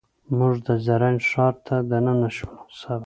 موږ د زرنج ښار ته دننه شولو.